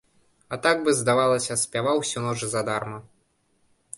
А так бы, здавалася, спяваў усю ноч задарма.